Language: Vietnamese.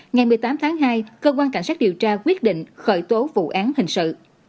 ngày một mươi tám tháng hai cơ quan cảnh sát điều tra quyết định khởi tố vụ án hình sự